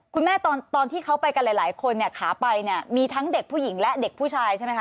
ตอนที่เขาไปกันหลายคนเนี่ยขาไปเนี่ยมีทั้งเด็กผู้หญิงและเด็กผู้ชายใช่ไหมคะ